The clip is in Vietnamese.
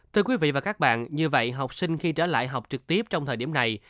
thưa quý vị và các bạn như vậy học sinh khi trở lại học trực tiếp trong thời điểm này